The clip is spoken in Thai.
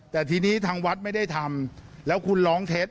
แต่ทีนี้ทางวัดไม่ได้ทำแล้วคุณร้องเท็จ